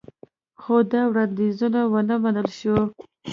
خو دا وړاندیز ونه منل شو